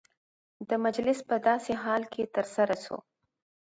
دا مجلس په داسي حال کي ترسره سو،